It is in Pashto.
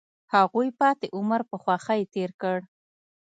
هغوی پاتې عمر په خوښۍ تیر کړ.